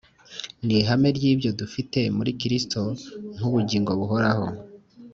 Ni ihame ry'ibyo dufite muri Kristo nk'ubugingo buhoraho,